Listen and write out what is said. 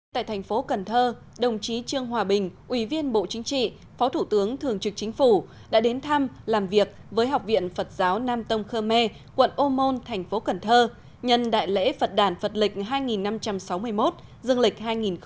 tại thành phố cần thơ đồng chí trương hòa bình ủy viên bộ chính trị phó thủ tướng thường trực chính phủ đã đến thăm làm việc với học viện phật giáo nam tông khơ me quận ô môn thành phố cần thơ nhân đại lễ phật đàn phật lịch hai năm trăm sáu mươi một dương lịch hai nghìn một mươi chín